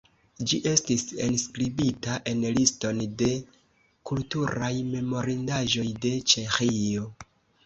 Ĝi estis enskribita en Liston de kulturaj memorindaĵoj de Ĉeĥio.